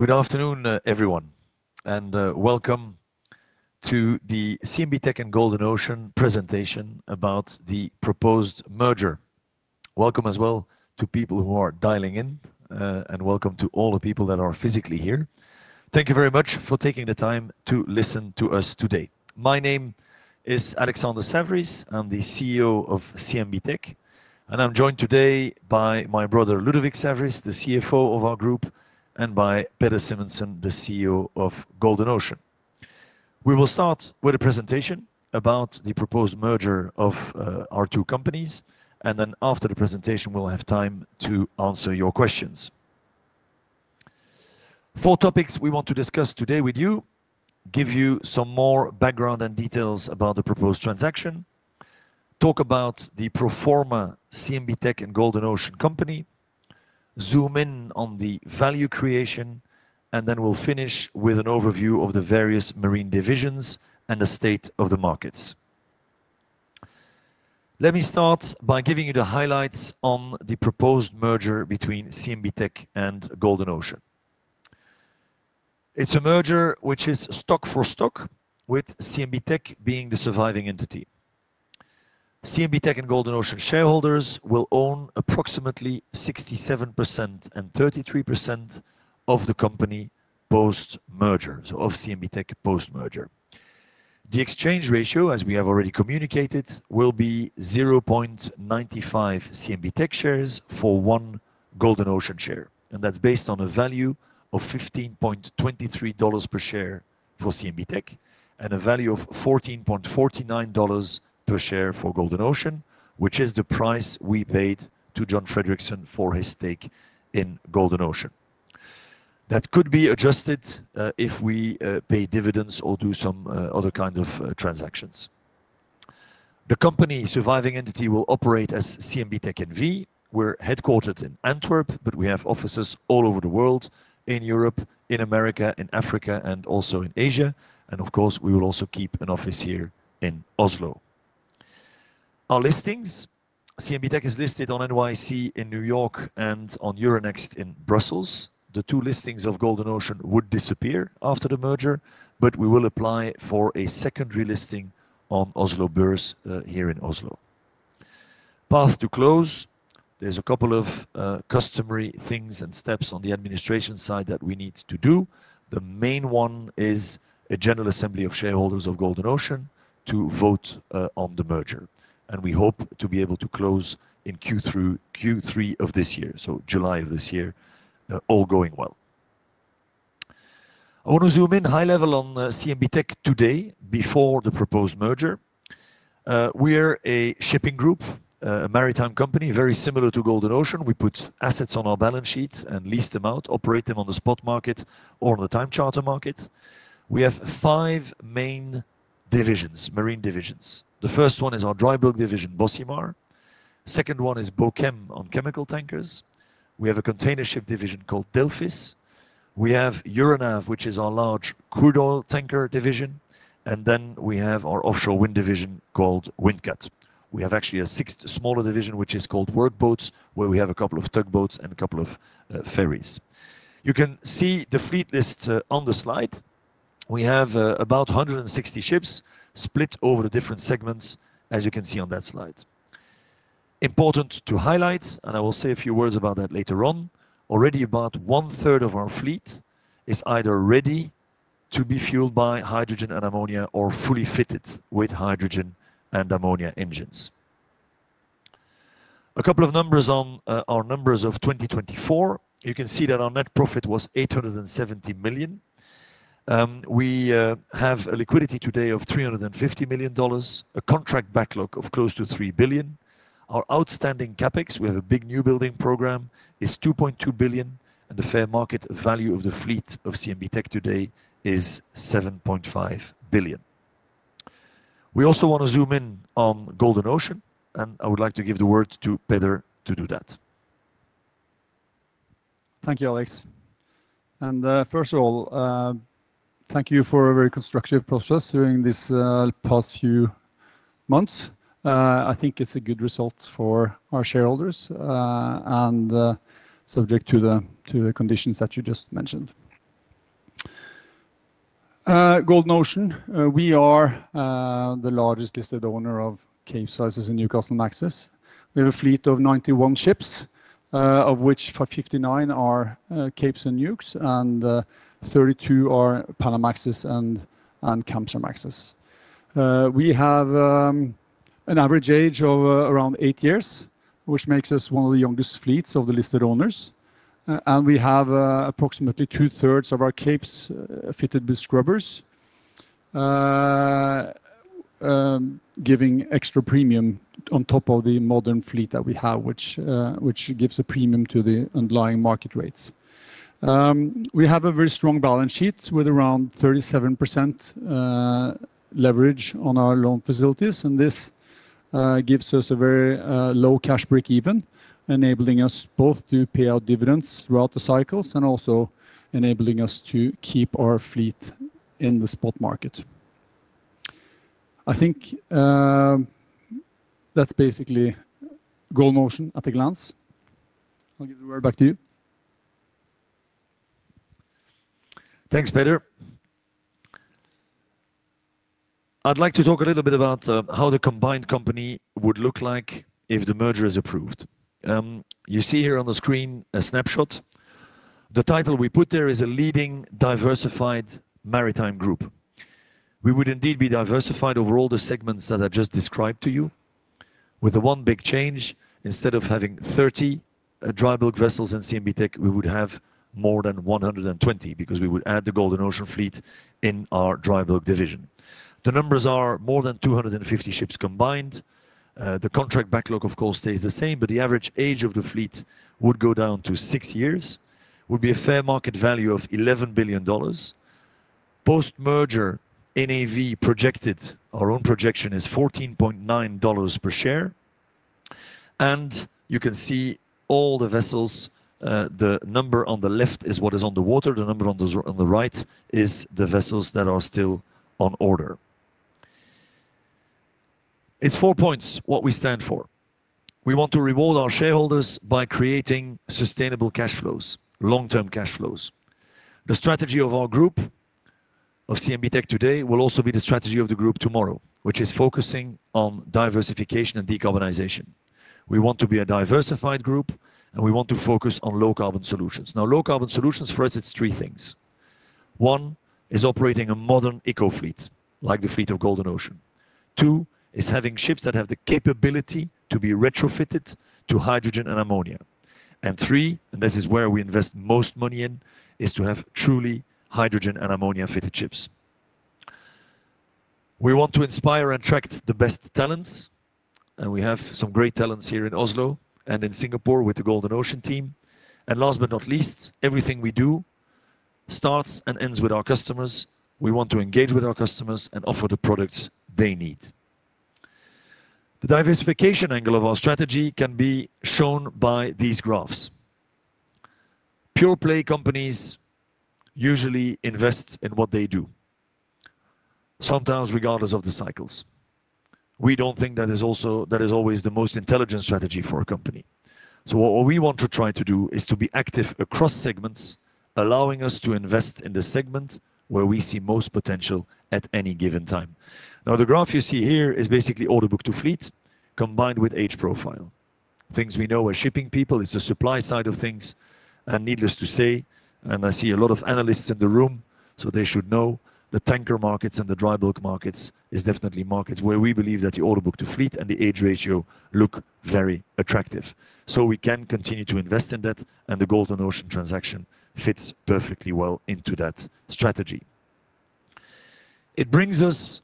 Good afternoon, everyone, and welcome to the CMB.TECH & Golden Ocean presentation about the proposed merger. Welcome as well to people who are dialing in, and welcome to all the people that are physically here. Thank you very much for taking the time to listen to us today. My name is Alexander Saverys, I'm the CEO of CMB.TECH, and I'm joined today by my brother Ludovic Saverys, the CFO of our group, and by Peder Simonsen, the CEO of Golden Ocean. We will start with a presentation about the proposed merger of our two companies, and then after the presentation, we'll have time to answer your questions. Four topics we want to discuss today with you, give you some more background and details about the proposed transaction, talk about the proforma CMB.TECH & Golden Ocean company, zoom in on the value creation, and then we'll finish with an overview of the various marine divisions and the state of the markets. Let me start by giving you the highlights on the proposed merger between CMB.TECH and Golden Ocean. It's a merger which is stock-for-stock, with CMB.TECH being the surviving entity. CMB.TECH & Golden Ocean shareholders will own approximately 67% and 33% of the company post-merger, so of CMB.TECH post-merger. The exchange ratio, as we have already communicated, will be 0.95 CMB.TECH shares for one Golden Ocean share, and that's based on a value of $15.23 per share for CMB.TECH and a value of $14.49 per share for Golden Ocean, which is the price we paid to John Fredriksen for his stake in Golden Ocean. That could be adjusted if we pay dividends or do some other kinds of transactions. The company surviving entity will operate as CMB.TECH NV. We're headquartered in Antwerp, but we have offices all over the world: in Europe, in America, in Africa, and also in Asia. Of course, we will also keep an office here in Oslo. Our listings: CMB.TECH is listed on NYSE in New York and on Euronext in Brussels. The two listings of Golden Ocean would disappear after the merger, but we will apply for a secondary listing on Oslo Børs here in Oslo. Path to close: there's a couple of customary things and steps on the administration side that we need to do. The main one is a general assembly of shareholders of Golden Ocean to vote on the merger, and we hope to be able to close in Q3 of this year, so July of this year, all going well. I want to zoom in high level on CMB.TECH today before the proposed merger. We're a shipping group, a maritime company very similar to Golden Ocean. We put assets on our balance sheets and lease them out, operate them on the spot market or on the time charter market. We have five main divisions, marine divisions. The first one is our dry bulk division, Bocimar. The second one is Bochem on chemical tankers. We have a container ship division called Delphis. We have Euronav, which is our large crude oil tanker division, and then we have our offshore wind division called Windcat. We have actually a sixth smaller division, which is called Work Boats, where we have a couple of tug boats and a couple of ferries. You can see the fleet list on the slide. We have about 160 ships split over the different segments, as you can see on that slide. Important to highlight, and I will say a few words about that later on, already about one third of our fleet is either ready to be fueled by hydrogen and ammonia or fully fitted with hydrogen and ammonia engines. A couple of numbers on our numbers of 2024: you can see that our net profit was $870 million. We have a liquidity today of $350 million, a contract backlog of close to $3 billion. Our outstanding CapEx, we have a big new building program, is $2.2 billion, and the fair market value of the fleet of CMB.TECH today is $7.5 billion. We also want to zoom in on Golden Ocean, and I would like to give the word to Peder to do that. Thank you, Alex. First of all, thank you for a very constructive process during these past few months. I think it's a good result for our shareholders and subject to the conditions that you just mentioned. Golden Ocean, we are the largest listed owner of capesizes and Newcastlemaxes. We have a fleet of 91 ships, of which 59 are capes and Newcs and 32 are Panamaxes and Kamsarmaxes. We have an average age of around eight years, which makes us one of the youngest fleets of the listed owners. We have approximately two thirds of our capes fitted with scrubbers, giving extra premium on top of the modern fleet that we have, which gives a premium to the underlying market rates. We have a very strong balance sheet with around 37% leverage on our loan facilities, and this gives us a very low cash break even, enabling us both to pay out dividends throughout the cycles and also enabling us to keep our fleet in the spot market. I think that's basically Golden Ocean at a glance. I'll give the word back to you. Thanks, Peder. I'd like to talk a little bit about how the combined company would look like if the merger is approved. You see here on the screen a snapshot. The title we put there is a leading diversified maritime group. We would indeed be diversified over all the segments that I just described to you, with the one big change: instead of having 30 dry bulk vessels in CMB.TECH, we would have more than 120 because we would add the Golden Ocean fleet in our dry bulk division. The numbers are more than 250 ships combined. The contract backlog, of course, stays the same, but the average age of the fleet would go down to six years. It would be a fair market value of $11 billion. Post-merger, NAV projected, our own projection is $14.9 per share. You can see all the vessels. The number on the left is what is underwater. The number on the right is the vessels that are still on order. It's four points what we stand for. We want to reward our shareholders by creating sustainable cash flows, long-term cash flows. The strategy of our group, of CMB.TECH today, will also be the strategy of the group tomorrow, which is focusing on diversification and decarbonization. We want to be a diversified group, and we want to focus on low carbon solutions. Now, low carbon solutions for us, it's three things. One is operating a modern eco fleet, like the fleet of Golden Ocean. Two is having ships that have the capability to be retrofitted to hydrogen and ammonia. And three, and this is where we invest most money in, is to have truly hydrogen and ammonia fitted ships. We want to inspire and attract the best talents, and we have some great talents here in Oslo and in Singapore with the Golden Ocean team. Last but not least, everything we do starts and ends with our customers. We want to engage with our customers and offer the products they need. The diversification angle of our strategy can be shown by these graphs. Pure play companies usually invest in what they do, sometimes regardless of the cycles. We do not think that is always the most intelligent strategy for a company. What we want to try to do is to be active across segments, allowing us to invest in the segment where we see most potential at any given time. Now, the graph you see here is basically order book to fleet combined with age profile. Things we know as shipping people, it is the supply side of things. Needless to say, I see a lot of analysts in the room, so they should know the tanker markets and the dry bulk markets is definitely markets where we believe that the order book to fleet and the age ratio look very attractive. We can continue to invest in that, and the Golden Ocean transaction fits perfectly well into that strategy. It brings us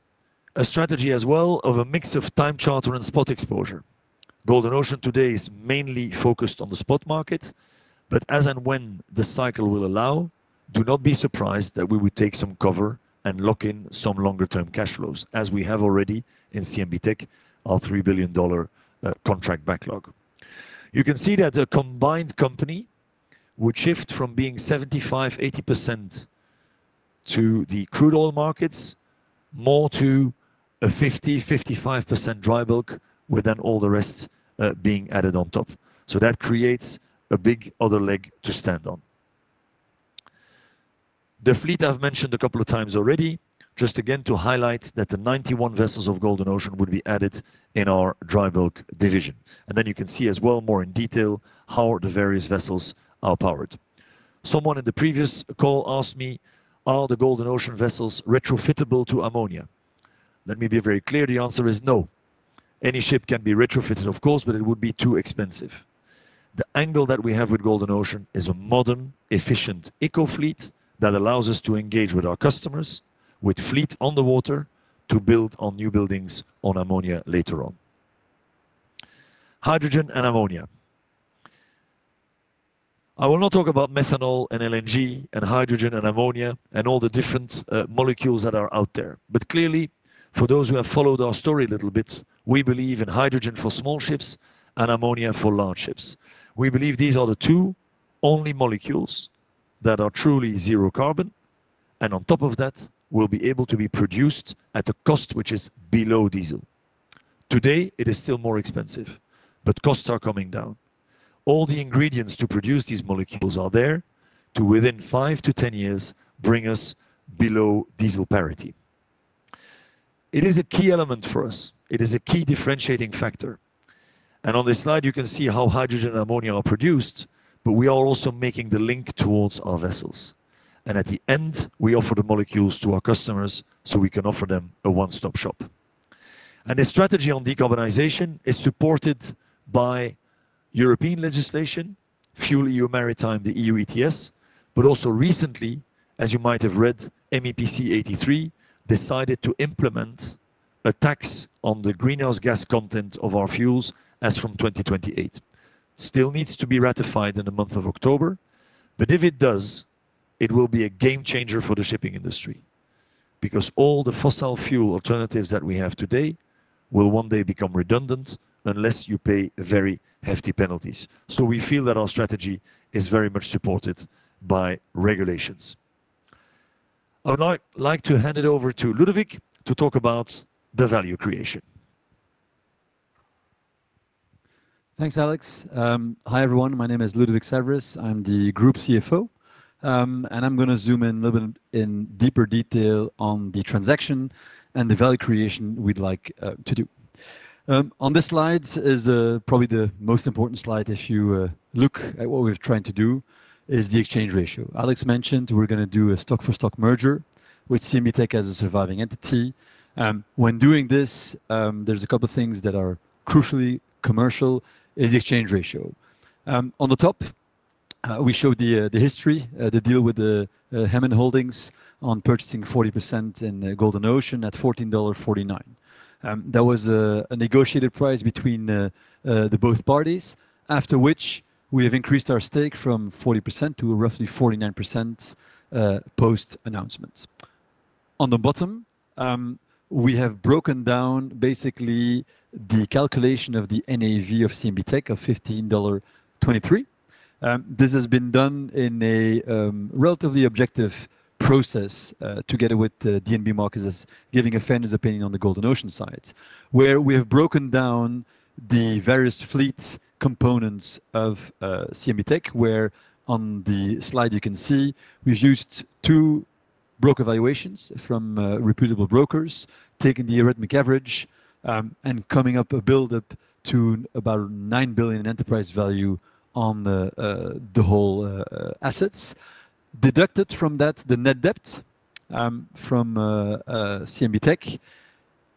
a strategy as well of a mix of time charter and spot exposure. Golden Ocean today is mainly focused on the spot market, but as and when the cycle will allow, do not be surprised that we would take some cover and lock in some longer term cash flows, as we have already in CMB.TECH, our $3 billion contract backlog. You can see that a combined company would shift from being 75-80% to the crude oil markets, more to a 50-55% dry bulk, with then all the rest being added on top. That creates a big other leg to stand on. The fleet I have mentioned a couple of times already, just again to highlight that the 91 vessels of Golden Ocean would be added in our dry bulk division. You can see as well more in detail how the various vessels are powered. Someone in the previous call asked me, are the Golden Ocean vessels retrofittable to ammonia? Let me be very clear, the answer is no. Any ship can be retrofitted, of course, but it would be too expensive. The angle that we have with Golden Ocean is a modern, efficient eco fleet that allows us to engage with our customers with fleet underwater to build on new buildings on ammonia later on. Hydrogen and ammonia. I will not talk about methanol and LNG and hydrogen and ammonia and all the different molecules that are out there, but clearly, for those who have followed our story a little bit, we believe in hydrogen for small ships and ammonia for large ships. We believe these are the two only molecules that are truly zero carbon and on top of that, will be able to be produced at a cost which is below diesel. Today, it is still more expensive, but costs are coming down. All the ingredients to produce these molecules are there to, within five to 10 years, bring us below diesel parity. It is a key element for us. It is a key differentiating factor. On this slide, you can see how hydrogen and ammonia are produced, but we are also making the link towards our vessels. At the end, we offer the molecules to our customers so we can offer them a one-stop shop. The strategy on decarbonization is supported by European legislation, FuelEU Maritime, the EU ETS, but also recently, as you might have read, MEPC 83 decided to implement a tax on the greenhouse gas content of our fuels as from 2028. It still needs to be ratified in the month of October, but if it does, it will be a game changer for the shipping industry because all the fossil fuel alternatives that we have today will one day become redundant unless you pay very hefty penalties. We feel that our strategy is very much supported by regulations. I would like to hand it over to Ludovic to talk about the value creation. Thanks, Alex. Hi everyone. My name is Ludovic Saverys. I'm the group CFO, and I'm going to zoom in a little bit in deeper detail on the transaction and the value creation we'd like to do. On this slide is probably the most important slide if you look at what we're trying to do, is the exchange ratio. Alex mentioned we're going to do a stock-for-stock merger with CMB.TECH as a surviving entity. When doing this, there's a couple of things that are crucially commercial, is the exchange ratio. On the top, we show the history, the deal with the Hemen Holdings on purchasing 40% in Golden Ocean at $14.49. That was a negotiated price between the both parties, after which we have increased our stake from 40% to roughly 49% post-announcement. On the bottom, we have broken down basically the calculation of the NAV of CMB.TECH of $15.23. This has been done in a relatively objective process together with DNB Markets giving a fairness opinion on the Golden Ocean side, where we have broken down the various fleet components of CMB.TECH, where on the slide you can see we've used two broker valuations from reputable brokers, taking the arithmetic average and coming up a buildup to about $9 billion in enterprise value on the whole assets. Deducted from that, the net debt from CMB.TECH,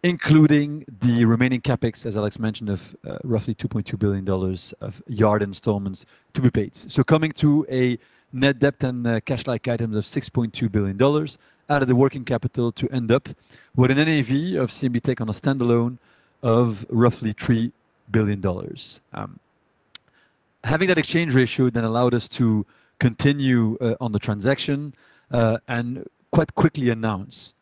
including the remaining CapEx, as Alex mentioned, of roughly $2.2 billion of yard installments to be paid. Coming to a net debt and cash-like items of $6.2 billion out of the working capital to end up with an NAV of CMB.TECH on a standalone of roughly $3 billion. Having that exchange ratio then allowed us to continue on the transaction and quite quickly announce.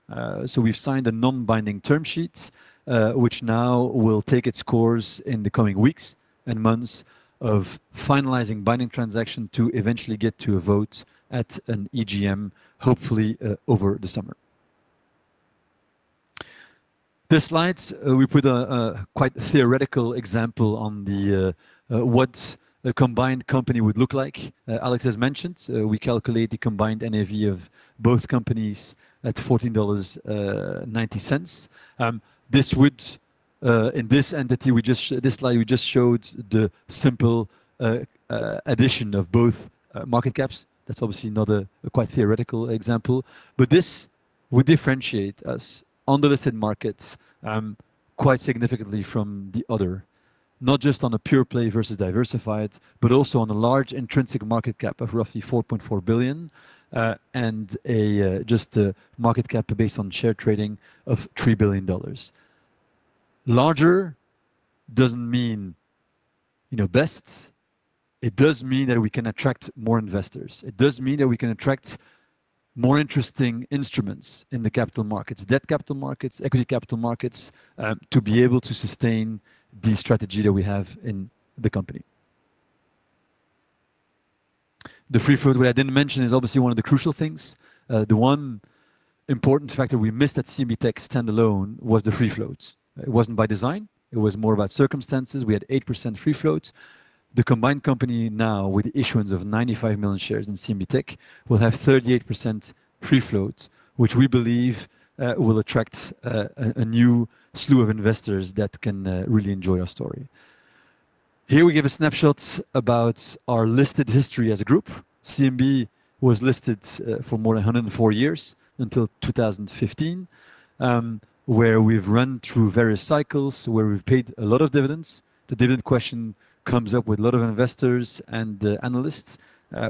We have signed a non-binding term sheet, which now will take its course in the coming weeks and months of finalizing binding transaction to eventually get to a vote at an EGM, hopefully over the summer. This slide, we put a quite theoretical example on what a combined company would look like. Alex has mentioned we calculate the combined NAV of both companies at $14.90. This would, in this entity, this slide, we just showed the simple addition of both market caps. That is obviously not a quite theoretical example, but this would differentiate us on the listed markets quite significantly from the other, not just on a pure play versus diversified, but also on a large intrinsic market cap of roughly $4.4 billion and just a market cap based on share trading of $3 billion. Larger does not mean best. It does mean that we can attract more investors. It does mean that we can attract more interesting instruments in the capital markets, debt capital markets, equity capital markets, to be able to sustain the strategy that we have in the company. The free float, which I didn't mention, is obviously one of the crucial things. The one important factor we missed at CMB.TECH standalone was the free float. It wasn't by design. It was more about circumstances. We had 8% free float. The combined company now, with the issuance of 95 million shares in CMB.TECH, will have 38% free float, which we believe will attract a new slew of investors that can really enjoy our story. Here we give a snapshot about our listed history as a group. CMB.TECH was listed for more than 104 years until 2015, where we've run through various cycles where we've paid a lot of dividends. The dividend question comes up with a lot of investors and analysts.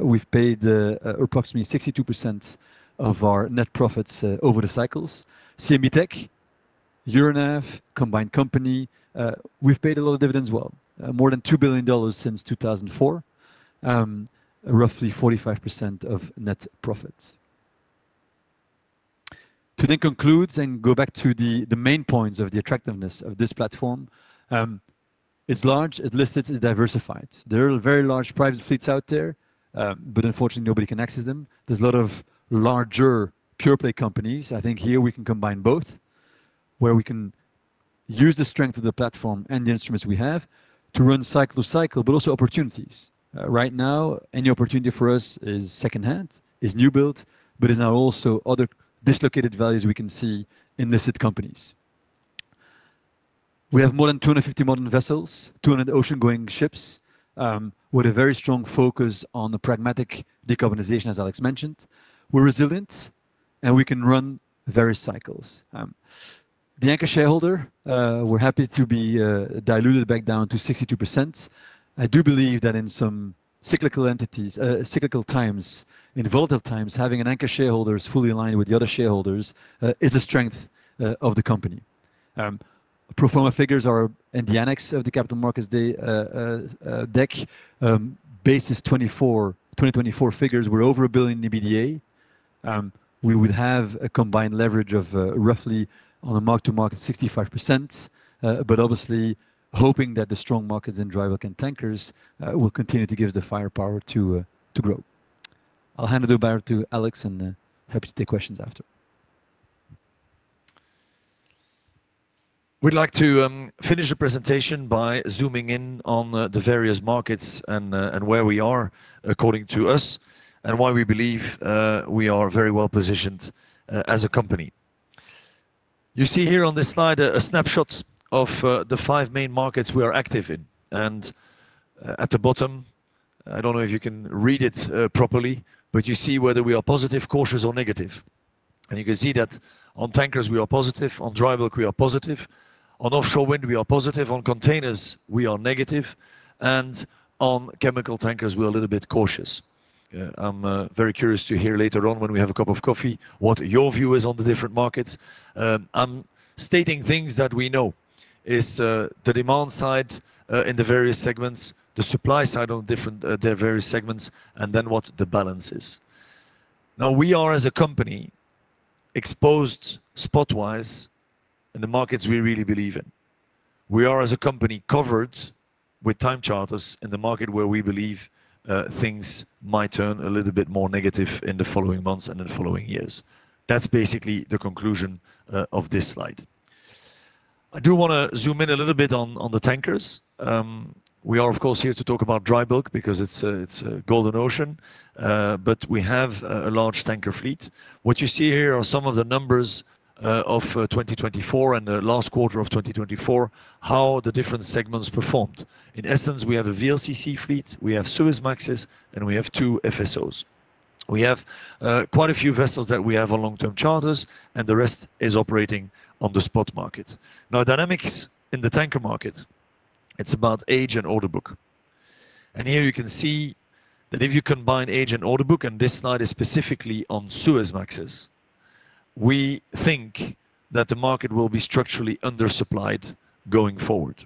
We've paid approximately 62% of our net profits over the cycles. CMB.TECH, year and a half, combined company, we've paid a lot of dividends, well, more than $2 billion since 2004, roughly 45% of net profits. To then conclude and go back to the main points of the attractiveness of this platform, it's large, it's listed, it's diversified. There are very large private fleets out there, but unfortunately, nobody can access them. There's a lot of larger pure play companies. I think here we can combine both, where we can use the strength of the platform and the instruments we have to run cycle to cycle, but also opportunities. Right now, any opportunity for us is secondhand, is new build, but is now also other dislocated values we can see in listed companies. We have more than 250 modern vessels, 200 ocean-going ships, with a very strong focus on the pragmatic decarbonization, as Alex mentioned. We're resilient, and we can run various cycles. The anchor shareholder, we're happy to be diluted back down to 62%. I do believe that in some cyclical times, in volatile times, having an anchor shareholder who is fully aligned with the other shareholders is a strength of the company. Proforma figures are in the annex of the capital markets deck. Base is 2024 figures. We're over a billion EBITDA. We would have a combined leverage of roughly on a mark to market 65%, but obviously hoping that the strong markets in dry bulk and tankers will continue to give us the firepower to grow. I'll hand it over to Alex and happy to take questions after. We'd like to finish the presentation by zooming in on the various markets and where we are, according to us, and why we believe we are very well positioned as a company. You see here on this slide a snapshot of the five main markets we are active in. At the bottom, I don't know if you can read it properly, but you see whether we are positive, cautious, or negative. You can see that on tankers, we are positive, on dry bulk, we are positive, on offshore wind, we are positive, on containers, we are negative, and on chemical tankers, we are a little bit cautious. I'm very curious to hear later on when we have a cup of coffee what your view is on the different markets. I'm stating things that we know is the demand side in the various segments, the supply side on their various segments, and then what the balance is. Now, we are as a company exposed spot-wise in the markets we really believe in. We are as a company covered with time charters in the market where we believe things might turn a little bit more negative in the following months and in the following years. That's basically the conclusion of this slide. I do want to zoom in a little bit on the tankers. We are, of course, here to talk about dry bulk because it's Golden Ocean, but we have a large tanker fleet. What you see here are some of the numbers of 2024 and the last quarter of 2024, how the different segments performed. In essence, we have a VLCC fleet, we have Suezmaxes, and we have two FSOs. We have quite a few vessels that we have on long-term charters, and the rest is operating on the spot market. Now, dynamics in the tanker market, it's about age and order book. Here you can see that if you combine age and order book, and this slide is specifically on Suezmaxes, we think that the market will be structurally undersupplied going forward.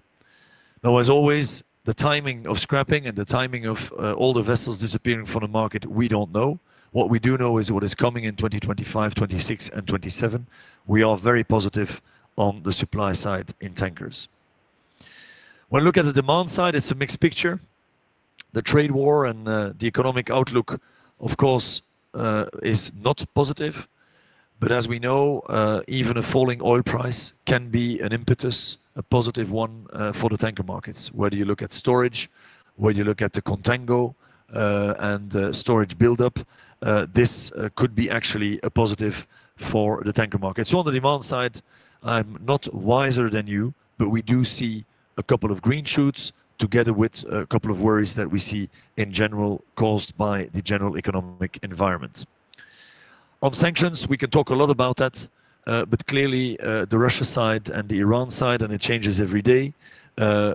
As always, the timing of scrapping and the timing of all the vessels disappearing from the market, we do not know. What we do know is what is coming in 2025, 2026, and 2027. We are very positive on the supply side in tankers. When we look at the demand side, it's a mixed picture. The trade war and the economic outlook, of course, is not positive, but as we know, even a falling oil price can be an impetus, a positive one for the tanker markets. Whether you look at storage, whether you look at the contango and storage buildup, this could be actually a positive for the tanker market. On the demand side, I'm not wiser than you, but we do see a couple of green shoots together with a couple of worries that we see in general caused by the general economic environment. On sanctions, we can talk a lot about that, but clearly the Russia side and the Iran side, and it changes every day,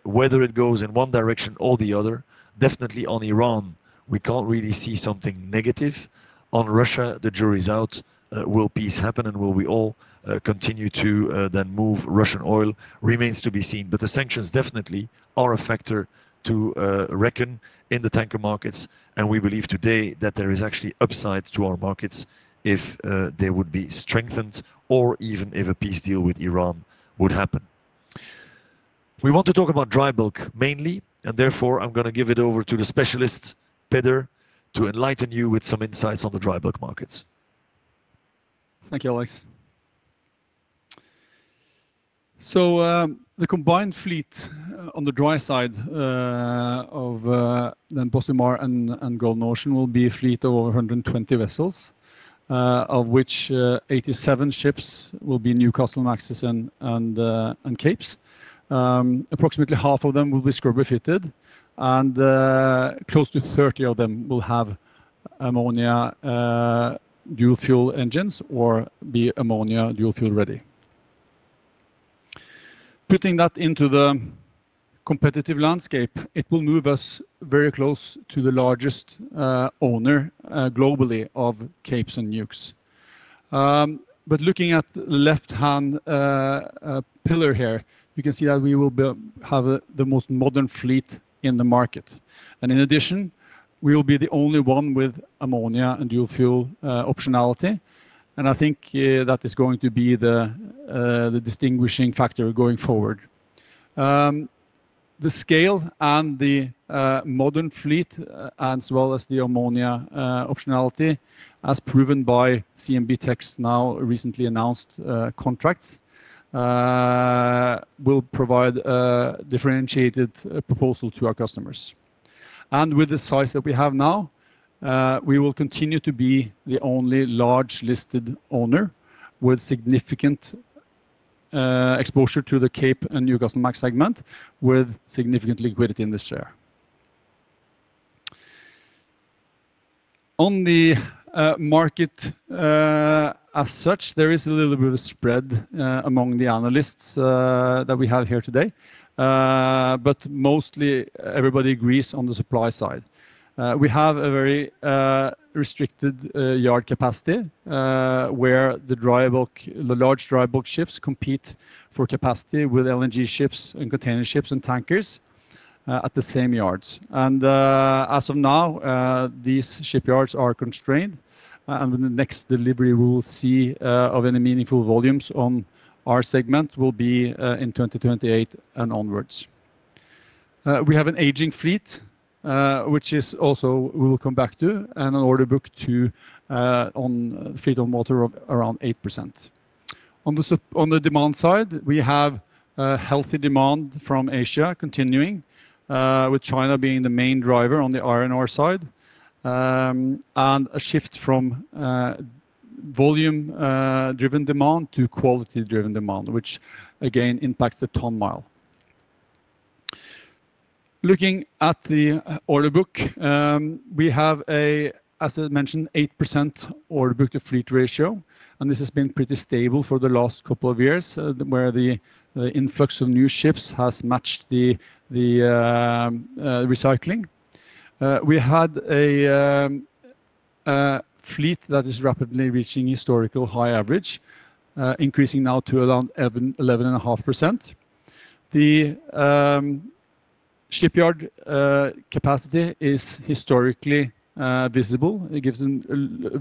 whether it goes in one direction or the other. Definitely on Iran, we can't really see something negative. On Russia, the jury's out. Will peace happen and will we all continue to then move Russian oil remains to be seen, but the sanctions definitely are a factor to reckon in the tanker markets, and we believe today that there is actually upside to our markets if they would be strengthened or even if a peace deal with Iran would happen. We want to talk about dry bulk mainly, and therefore I'm going to give it over to the specialist Peder to enlighten you with some insights on the dry bulk markets. Thank you, Alex. The combined fleet on the dry side of then Bocimar and Golden Ocean will be a fleet of over 120 vessels, of which 87 ships will be Newcastlemaxes and Capes. Approximately half of them will be scrubber-fitted, and close to 30 of them will have ammonia dual fuel engines or be ammonia dual fuel ready. Putting that into the competitive landscape, it will move us very close to the largest owner globally of Capes and Newcastlemaxes. Looking at the left-hand pillar here, you can see that we will have the most modern fleet in the market. In addition, we will be the only one with ammonia and dual fuel optionality, and I think that is going to be the distinguishing factor going forward. The scale and the modern fleet, as well as the ammonia optionality, as proven by CMB.TECH's now recently announced contracts, will provide a differentiated proposal to our customers. With the size that we have now, we will continue to be the only large listed owner with significant exposure to the Cape and Newcastlemax segment with significant liquidity in this share. On the market as such, there is a little bit of a spread among the analysts that we have here today, but mostly everybody agrees on the supply side. We have a very restricted yard capacity where the large dry bulk ships compete for capacity with LNG ships and container ships and tankers at the same yards. As of now, these shipyards are constrained, and the next delivery we will see of any meaningful volumes on our segment will be in 2028 and onwards. We have an aging fleet, which is also we will come back to, and an order book to fleet of around 8%. On the demand side, we have healthy demand from Asia continuing, with China being the main driver on the iron ore side, and a shift from volume-driven demand to quality-driven demand, which again impacts the ton mile. Looking at the order book, we have, as I mentioned, 8% order book to fleet ratio, and this has been pretty stable for the last couple of years where the influx of new ships has matched the recycling. We had a fleet that is rapidly reaching historical high average, increasing now to around 11.5%. The shipyard capacity is historically visible. It gives them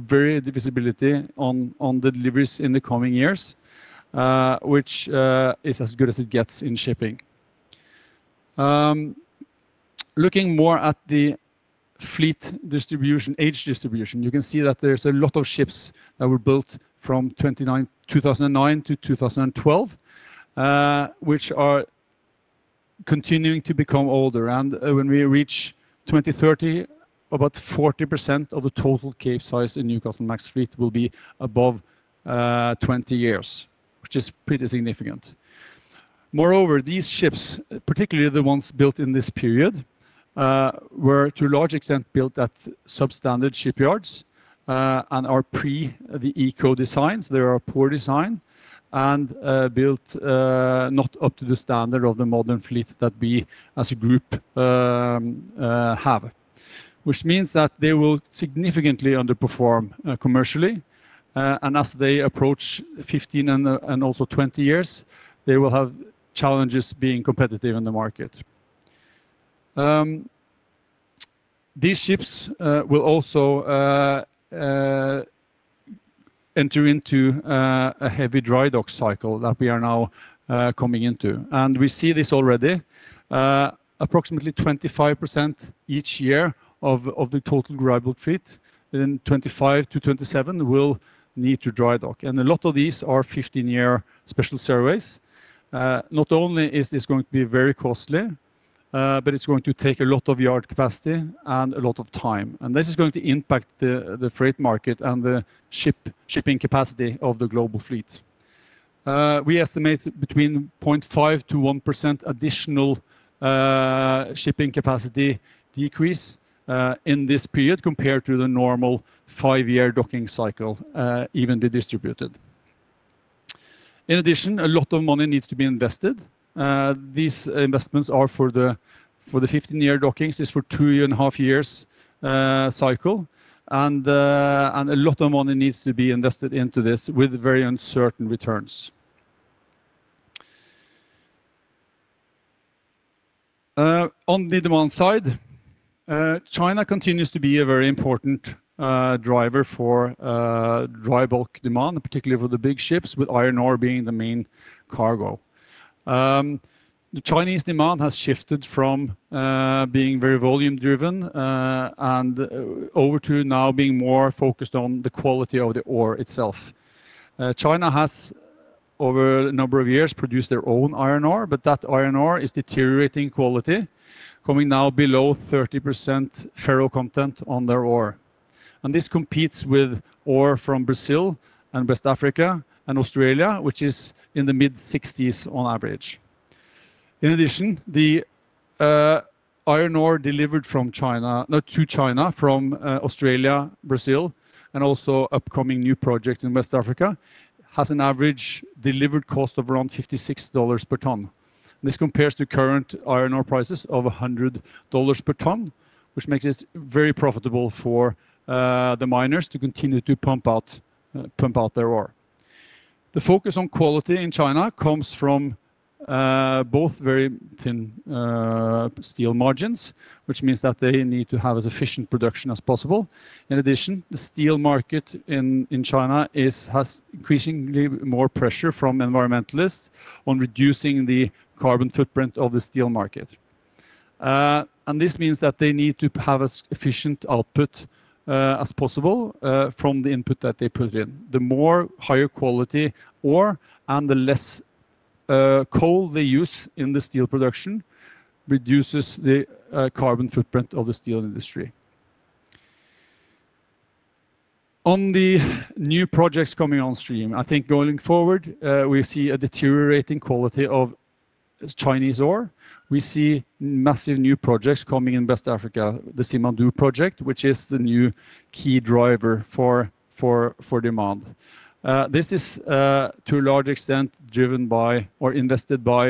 very good visibility on the deliveries in the coming years, which is as good as it gets in shipping. Looking more at the fleet distribution, age distribution, you can see that there's a lot of ships that were built from 2009 to 2012, which are continuing to become older. When we reach 2030, about 40% of the total Capesize and Newcastlemax fleet will be above 20 years, which is pretty significant. Moreover, these ships, particularly the ones built in this period, were to a large extent built at substandard shipyards and are pre the eco designs. They are poor design and built not up to the standard of the modern fleet that we as a group have, which means that they will significantly underperform commercially. As they approach 15 and also 20 years, they will have challenges being competitive in the market. These ships will also enter into a heavy dry dock cycle that we are now coming into. We see this already. Approximately 25% each year of the total dry bulk fleet in 2025 to 2027 will need to dry dock. A lot of these are 15-year special service. Not only is this going to be very costly, but it is going to take a lot of yard capacity and a lot of time. This is going to impact the freight market and the shipping capacity of the global fleet. We estimate between 0.5%-1% additional shipping capacity decrease in this period compared to the normal five-year docking cycle, evenly distributed. In addition, a lot of money needs to be invested. These investments are for the 15-year dockings. This is for a two and a half year cycle. A lot of money needs to be invested into this with very uncertain returns. On the demand side, China continues to be a very important driver for dry bulk demand, particularly for the big ships, with iron ore being the main cargo. The Chinese demand has shifted from being very volume-driven and over to now being more focused on the quality of the ore itself. China has, over a number of years, produced their own iron ore, but that iron ore is deteriorating quality, coming now below 30% ferro content on their ore. This competes with ore from Brazil and West Africa and Australia, which is in the mid-60% on average. In addition, the iron ore delivered from China, not to China, from Australia, Brazil, and also upcoming new projects in West Africa has an average delivered cost of around $56 per ton. This compares to current iron ore prices of $100 per ton, which makes it very profitable for the miners to continue to pump out their ore. The focus on quality in China comes from both very thin steel margins, which means that they need to have as efficient production as possible. In addition, the steel market in China has increasingly more pressure from environmentalists on reducing the carbon footprint of the steel market. This means that they need to have as efficient output as possible from the input that they put in. The more higher quality ore and the less coal they use in the steel production reduces the carbon footprint of the steel industry. On the new projects coming on stream, I think going forward, we see a deteriorating quality of Chinese ore. We see massive new projects coming in West Africa, the Simandou project, which is the new key driver for demand. This is to a large extent driven by or invested by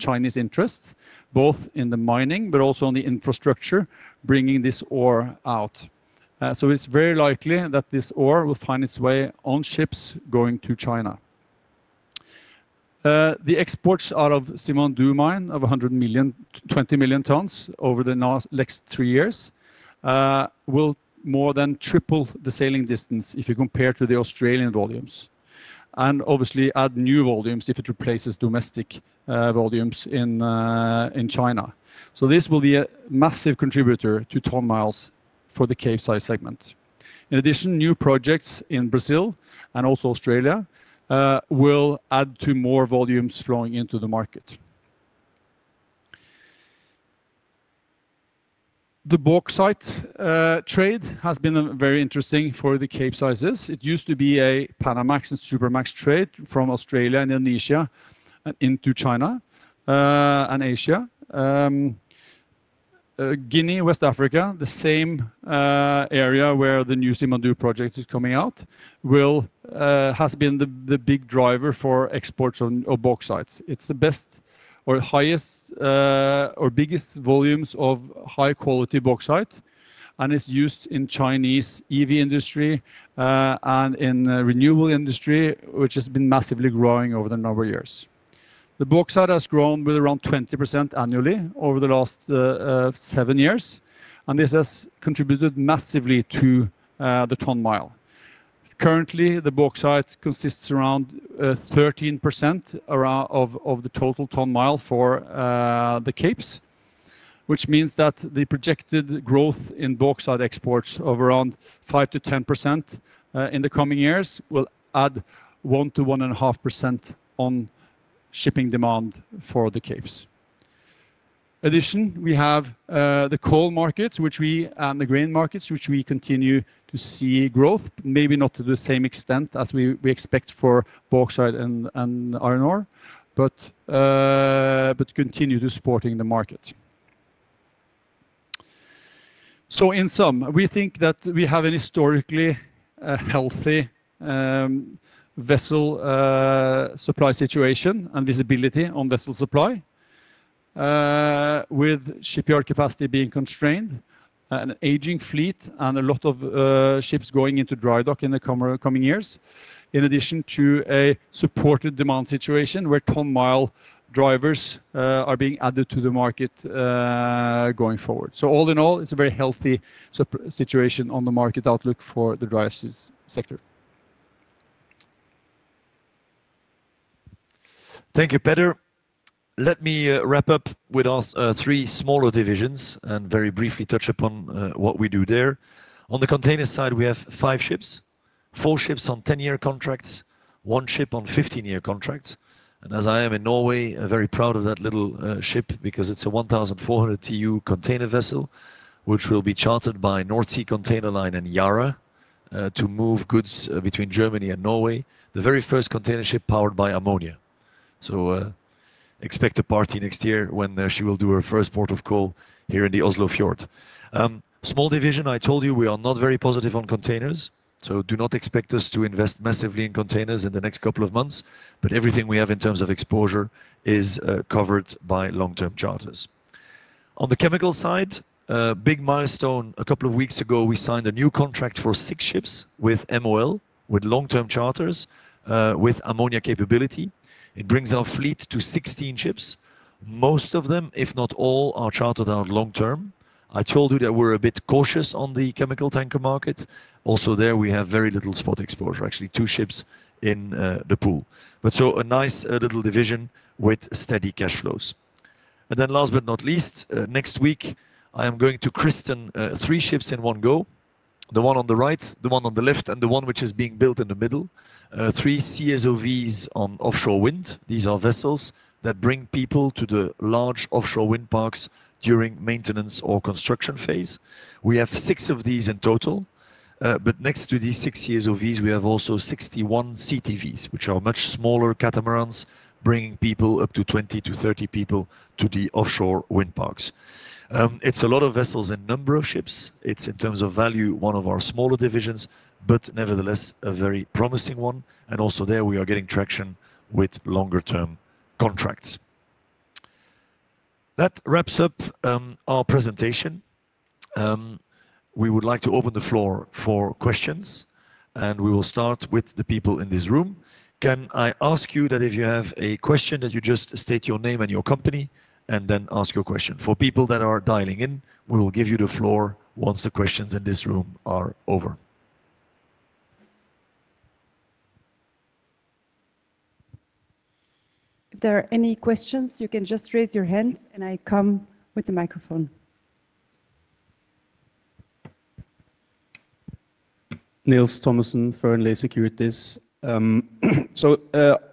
Chinese interests, both in the mining, but also in the infrastructure bringing this ore out. It is very likely that this ore will find its way on ships going to China. The exports out of Simandou mine of 120 million tons over the next three years will more than triple the sailing distance if you compare to the Australian volumes, and obviously add new volumes if it replaces domestic volumes in China. This will be a massive contributor to ton miles for the Capesize segment. In addition, new projects in Brazil and also Australia will add to more volumes flowing into the market. The bauxite trade has been very interesting for the Capesizes. It used to be a Panamax and Supramax trade from Australia and Indonesia into China and Asia. Guinea, West Africa, the same area where the new Simandou project is coming out, has been the big driver for exports of bauxite. It's the best or highest or biggest volumes of high-quality bauxite, and it's used in Chinese EV industry and in renewable industry, which has been massively growing over the number of years. The bauxite has grown with around 20% annually over the last seven years, and this has contributed massively to the ton mile. Currently, the bauxite consists around 13% of the total ton mile for the Capes, which means that the projected growth in bauxite exports of around 5%-10% in the coming years will add 1%-1.5% on shipping demand for the Capes. In addition, we have the coal markets, which we and the grain markets, which we continue to see growth, maybe not to the same extent as we expect for bauxite and iron ore, but continue to support the market. In sum, we think that we have a historically healthy vessel supply situation and visibility on vessel supply, with shipyard capacity being constrained, an aging fleet, and a lot of ships going into dry dock in the coming years, in addition to a supported demand situation where ton mile drivers are being added to the market going forward. All in all, it's a very healthy situation on the market outlook for the dry sector. Thank you, Peder. Let me wrap up with our three smaller divisions and very briefly touch upon what we do there. On the container side, we have five ships, four ships on 10-year contracts, one ship on 15-year contracts. As I am in Norway, very proud of that little ship because it is a 1,400 TEU container vessel, which will be chartered by North Sea Container Line and Yara to move goods between Germany and Norway, the very first container ship powered by ammonia. Expect a party next year when she will do her first port of call here in the Oslo Fjord. Small division, I told you, we are not very positive on containers, so do not expect us to invest massively in containers in the next couple of months, but everything we have in terms of exposure is covered by long-term charters. On the chemical side, big milestone, a couple of weeks ago, we signed a new contract for six ships with MOL, with long-term charters, with ammonia capability. It brings our fleet to 16 ships. Most of them, if not all, are chartered out long-term. I told you that we're a bit cautious on the chemical tanker market. Also there, we have very little spot exposure, actually two ships in the pool. A nice little division with steady cash flows. Last but not least, next week, I am going to christen three ships in one go, the one on the right, the one on the left, and the one which is being built in the middle, three CSOVs on offshore wind. These are vessels that bring people to the large offshore wind parks during maintenance or construction phase. We have six of these in total, but next to these six CSOVs, we have also 61 CTVs, which are much smaller catamarans, bringing people, up to 20-30 people, to the offshore wind parks. It is a lot of vessels in number of ships. It is, in terms of value, one of our smaller divisions, but nevertheless a very promising one. Also there, we are getting traction with longer-term contracts. That wraps up our presentation. We would like to open the floor for questions, and we will start with the people in this room. Can I ask you that if you have a question, that you just state your name and your company and then ask your question? For people that are dialing in, we will give you the floor once the questions in this room are over. If there are any questions, you can just raise your hand, and I come with the microphone.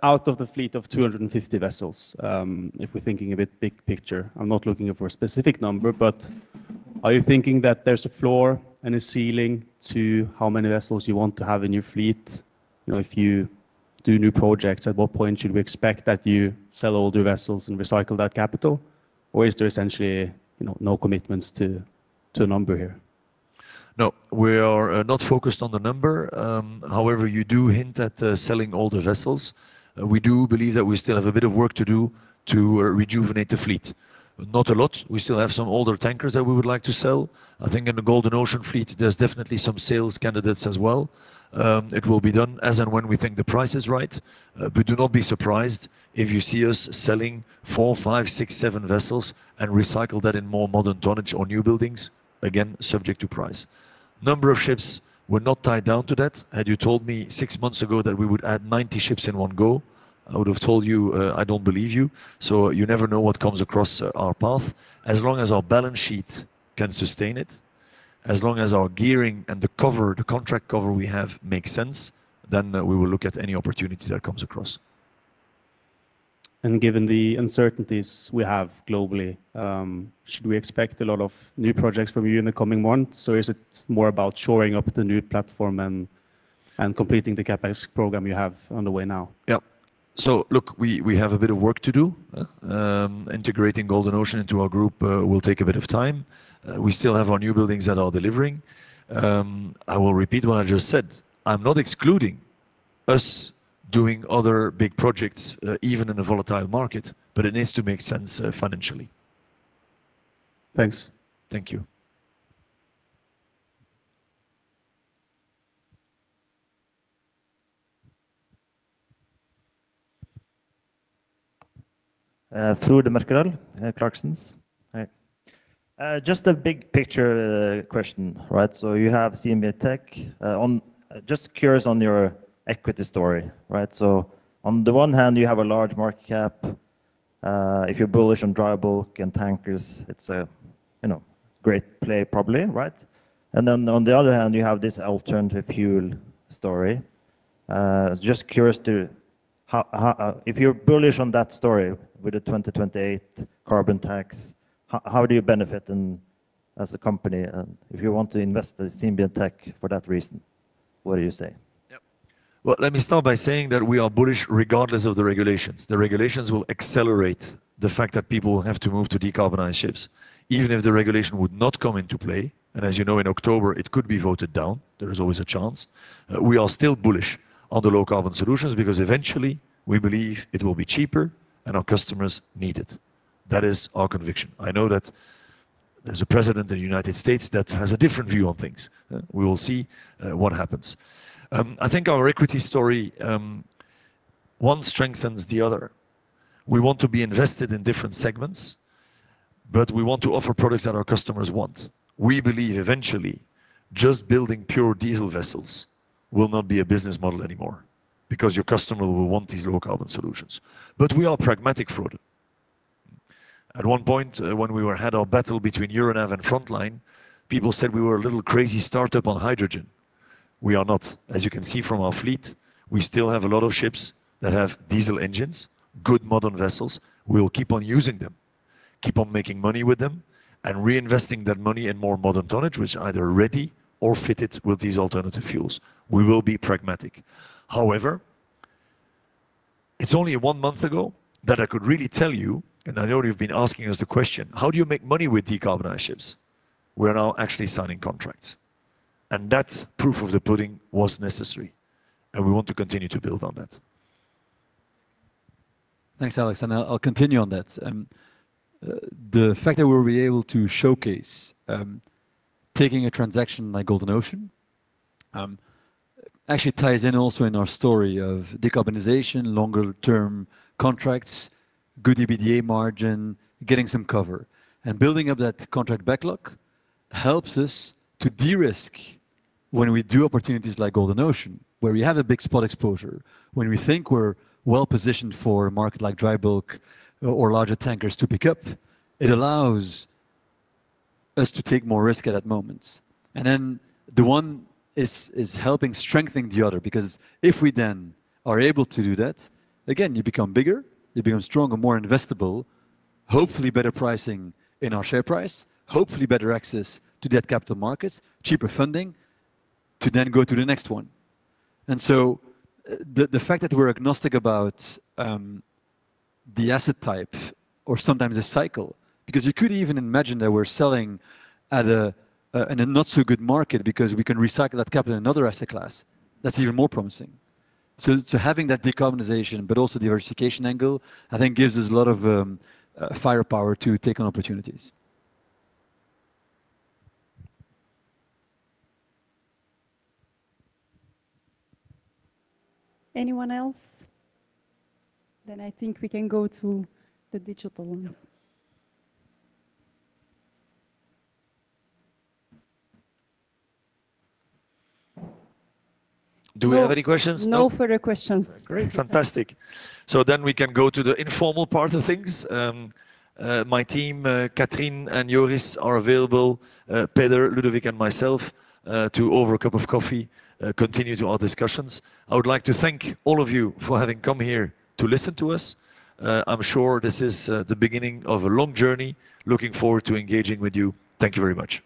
Out of the fleet of 250 vessels, if we're thinking a bit big picture, I'm not looking for a specific number, but are you thinking that there's a floor and a ceiling to how many vessels you want to have in your fleet? If you do new projects, at what point should we expect that you sell all the vessels and recycle that capital? Or is there essentially no commitments to a number here? No, we are not focused on the number. However, you do hint at selling all the vessels. We do believe that we still have a bit of work to do to rejuvenate the fleet. Not a lot. We still have some older tankers that we would like to sell. I think in the Golden Ocean fleet, there are definitely some sales candidates as well. It will be done as and when we think the price is right. Do not be surprised if you see us selling four, five, six, seven vessels and recycle that in more modern tonnage or newbuildings, again, subject to price. Number of ships, we are not tied down to that. Had you told me six months ago that we would add 90 ships in one go, I would have told you I do not believe you. You never know what comes across our path. As long as our balance sheet can sustain it, as long as our gearing and the contract cover we have makes sense, then we will look at any opportunity that comes across. Given the uncertainties we have globally, should we expect a lot of new projects from you in the coming months? Is it more about shoring up the new platform and completing the CapEx program you have underway now? Yeah. Look, we have a bit of work to do. Integrating Golden Ocean into our group will take a bit of time. We still have our new buildings that are delivering. I will repeat what I just said. I'm not excluding us doing other big projects, even in a volatile market, but it needs to make sense financially. Thanks. Thank you. Just a big picture question, right? You have CMB.TECH. Just curious on your equity story, right? On the one hand, you have a large market cap. If you're bullish on dry bulk and tankers, it's a great play probably, right? On the other hand, you have this alternative fuel story. Just curious, if you're bullish on that story with the 2028 carbon tax, how do you benefit as a company? If you want to invest in CMB.TECH for that reason, what do you say? Yeah. Let me start by saying that we are bullish regardless of the regulations. The regulations will accelerate the fact that people have to move to decarbonize ships, even if the regulation would not come into play. As you know, in October, it could be voted down. There is always a chance. We are still bullish on the low carbon solutions because eventually, we believe it will be cheaper and our customers need it. That is our conviction. I know that there's a president in the United States that has a different view on things. We will see what happens. I think our equity story, one strengthens the other. We want to be invested in different segments, but we want to offer products that our customers want. We believe eventually, just building pure diesel vessels will not be a business model anymore because your customer will want these low carbon solutions. We are pragmatic for it. At one point, when we had our battle between Euronav and Frontline, people said we were a little crazy startup on hydrogen. We are not. As you can see from our fleet, we still have a lot of ships that have diesel engines, good modern vessels. We'll keep on using them, keep on making money with them, and reinvesting that money in more modern tonnage, which is either ready or fitted with these alternative fuels. We will be pragmatic. However, it's only one month ago that I could really tell you, and I know you've been asking us the question, how do you make money with decarbonized ships? We're now actually signing contracts. That proof of the pudding was necessary. We want to continue to build on that. Thanks, Alex. I'll continue on that. The fact that we'll be able to showcase taking a transaction like Golden Ocean actually ties in also in our story of decarbonization, longer-term contracts, good EBITDA margin, getting some cover. Building up that contract backlog helps us to de-risk when we do opportunities like Golden Ocean, where we have a big spot exposure. When we think we're well positioned for a market like dry bulk or larger tankers to pick up, it allows us to take more risk at that moment. The one is helping strengthen the other because if we then are able to do that, again, you become bigger, you become stronger, more investable, hopefully better pricing in our share price, hopefully better access to capital markets, cheaper funding to then go to the next one. The fact that we're agnostic about the asset type or sometimes the cycle, because you could even imagine that we're selling at a not-so-good market because we can recycle that capital in another asset class, that's even more promising. Having that decarbonization, but also diversification angle, I think gives us a lot of firepower to take on opportunities. Anyone else? I think we can go to the digital ones. Do we have any questions? No further questions. Great. Fantastic. We can go to the informal part of things. My team, Katrien and Joris, are available, Peder, Ludovic, and myself, to over a cup of coffee, continue to our discussions. I would like to thank all of you for having come here to listen to us. I'm sure this is the beginning of a long journey. Looking forward to engaging with you. Thank you very much.